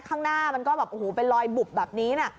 ข้างหน้ามันก็เป็นรอยบุบแบบนี้